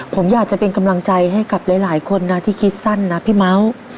ผมอยากจะเป็นกำลังใจให้กับหลายคนนะที่คิดสั้นนะพี่เม้า